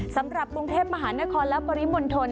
สำหรับกรุงเทพมหานครและปริมณฑล